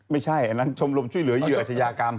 ไม่ใช่อันนั้นชมรมช่วยเหลือเหยื่ออาชญากรรม